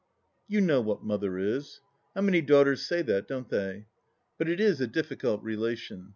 You know what Mother is. How many daughters say that, don't they ? But it is a difficult relation.